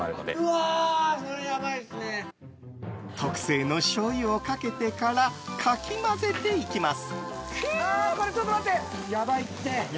特製のしょうゆをかけてからかき混ぜていきます。